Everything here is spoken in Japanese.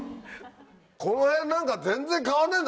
この辺なんか全然変わんねえんだ